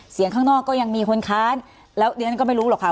เสียงข้างนอกก็ยังมีคนค้านแล้วทีนั้นก็ไม่รู้หรอกคะ